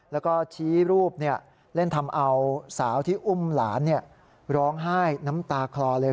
แล้วก็ชี้รูปเล่นทำเอาสาวที่อุ้มหลานร้องไห้น้ำตาคลอเลย